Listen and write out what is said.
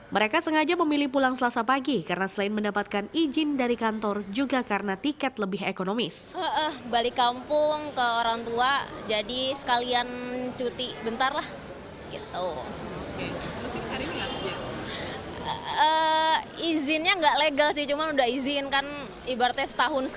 mereka sengaja memilih pulang selasa pagi karena selain mendapatkan izin dari kantor juga karena tiket lebih ekonomis